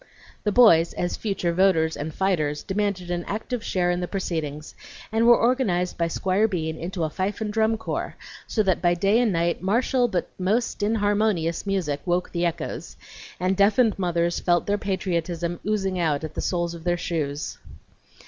The boys, as future voters and fighters, demanded an active share in the proceedings, and were organized by Squire Bean into a fife and drum corps, so that by day and night martial but most inharmonious music woke the echoes, and deafened mothers felt their patriotism oozing out at the soles of their shoes.